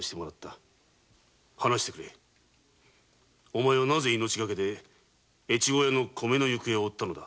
お前はなぜ命がけで越後屋の米の行方を追ったのだ？